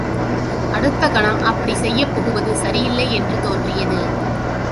அடுத்த கணம் அப்படிச் செய்யப் புகுவது சரியில்லை என்று தோன்றியது.